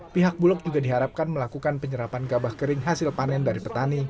pihak bulog juga diharapkan melakukan penyerapan gabah kering hasil panen dari petani